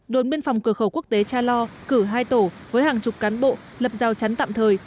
đồn biên phòng cửa khẩu quốc tế cha lo cử hai tổ với hàng chục cán bộ lập giao chắn tạm thời